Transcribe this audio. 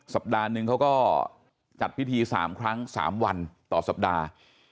สัปดาห์นึงเขาก็จัดพิธี๓ครั้ง๓วันต่อสัปดาห์